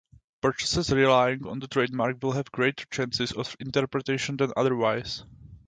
Purchasers relying on that trademark will have greater chances of interoperation than otherwise.